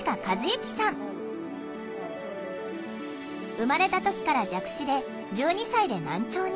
生まれた時から弱視で１２歳で難聴に。